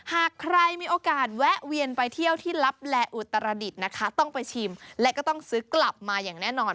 หากใครมีโอกาสแวะเวียนไปเที่ยวที่ลับแลอุตรดิษฐ์นะคะต้องไปชิมและก็ต้องซื้อกลับมาอย่างแน่นอน